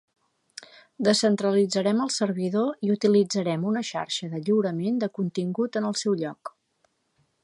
Descentralitzarem el servidor i utilitzarem una xarxa de lliurament de contingut en el seu lloc.